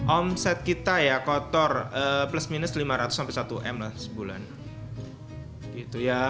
omset kita ya kotor plus minus lima ratus sampai satu m sebulan gitu ya